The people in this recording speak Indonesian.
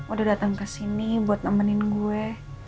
udah dateng kesini buat nemenin gue